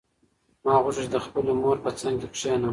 ما غوښتل چې د خپلې مور په څنګ کې کښېنم.